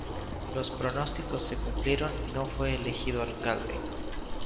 Los pronósticos se cumplieron y no fue elegido alcalde.